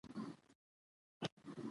د مقالو د سپارلو لپاره پیسې نه اخیستل کیږي.